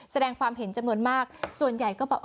แสดงความเห็นจำนวนมากส่วนใหญ่ก็บอก